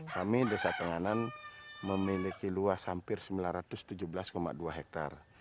kami desa tenganan memiliki luas hampir sembilan ratus tujuh belas dua hektare